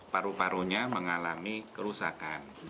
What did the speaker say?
paru parunya mengalami kerusakan